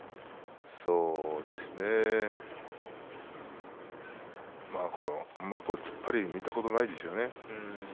そうですね、うーんこういう突っ張り見たことないですよ。